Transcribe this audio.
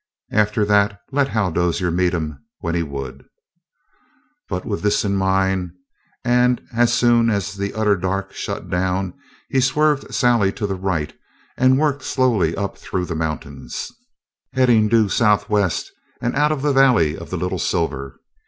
After that let Hal Dozier meet him when he would. But with this in mind, as soon as the utter dark shut down, he swerved Sally to the right and worked slowly up through the mountains, heading due southwest and out of the valley of the Little Silver.